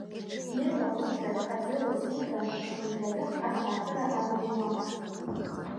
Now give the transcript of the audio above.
Ирма луҭраз аӡы лызнеиган, луҭраҭых ацәаакыра аглыжьуамызт.